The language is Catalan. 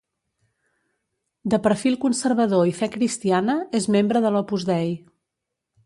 De perfil conservador i fe cristiana, és membre de l'Opus Dei.